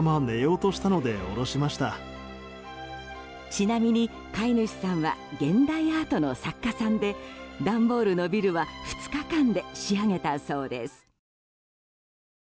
ちなみに飼い主さんは現代アートの作家さんで段ボールのビルは２日間で仕上げたそうです。